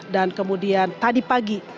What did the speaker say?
dan kemudian tadi pagi